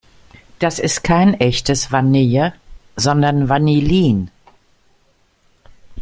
Das ist kein echtes Vanille, sondern Vanillin.